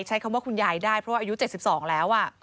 ใช้คำว่าคุณยายได้เพราะว่าอายุ๗๒แล้ว